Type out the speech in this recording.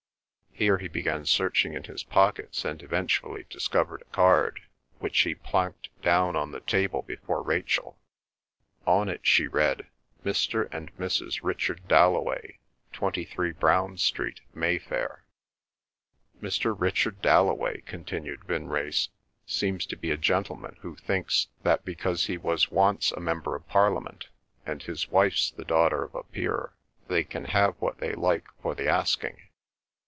Here he began searching in his pockets and eventually discovered a card, which he planked down on the table before Rachel. On it she read, "Mr. and Mrs. Richard Dalloway, 23 Browne Street, Mayfair." "Mr. Richard Dalloway," continued Vinrace, "seems to be a gentleman who thinks that because he was once a member of Parliament, and his wife's the daughter of a peer, they can have what they like for the asking.